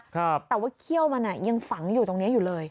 แต่ว่าเขี้ยวมันอ่ะยังฝังอยู่ตรงนี้อยู่เลย